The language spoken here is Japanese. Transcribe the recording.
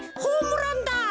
ホームランだ！